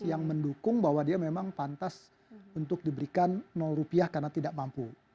yang mendukung bahwa dia memang pantas untuk diberikan rupiah karena tidak mampu